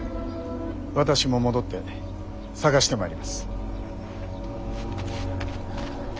私も戻って捜してまいります。